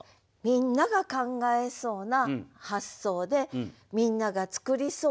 みんなが考えそうな発想でみんなが作りそうな句。